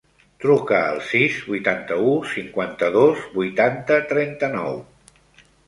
Truca al sis, vuitanta-u, cinquanta-dos, vuitanta, trenta-nou.